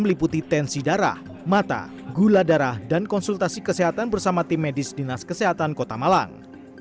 meliputi tensi darah mata gula darah dan konsultasi kesehatan bersama tim medis dinas kesehatan kota malang